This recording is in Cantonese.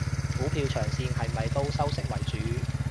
股票長線係咪都收息為主？